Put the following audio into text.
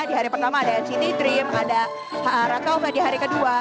di hari pertama ada nct dream ada ha raka ova di hari ke dua